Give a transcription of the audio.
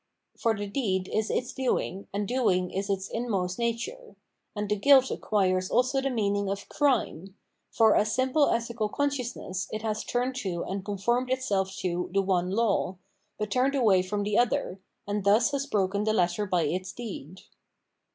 For the deed is its doing, and doing is its inmost nature. And the guilt acquires also the meaning of Crime; for as simple ethical consciousness it has turned to and conformed itself to the one law, hut turned away from the other, and thus has broken the latter by its deed.